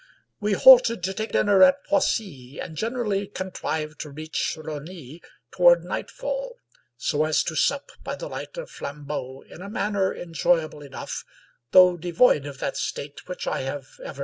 We halted to take dinner at Poissy, and generally contrived to reach Rosny toward nightfall, so as to sup by the light of flambeaux in a manner enjoy able enough, though devoid of that state which I have ever 138 Stanley J.